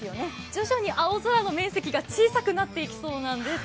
徐々に青空の面積が小さくなっていきそうなんです。